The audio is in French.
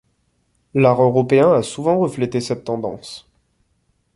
L'art européen a souvent reflété cette tendance.